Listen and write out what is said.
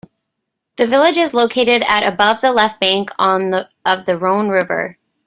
The village is located at above the left bank of the Rhone river.